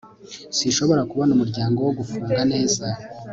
sinshobora kubona umuryango wo gufunga neza